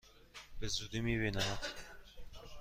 به زودی می بینمت!